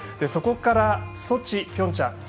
そこからソチ、ピョンチャン